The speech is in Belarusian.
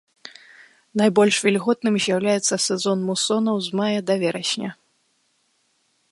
Найбольш вільготным з'яўляецца сезон мусонаў з мая да верасня.